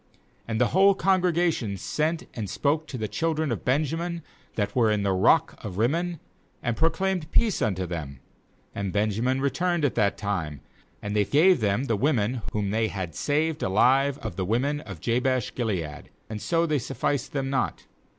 13And the whole congregation sent and spoke to the children of Ben jamin that were in the rock of Rim mon, and proclaimed peace unto them. 34And Benjamin returned at that time; and they gave them the women whom they had saved alive of the women of Jabesh gilead; and yet so they sufficed them not.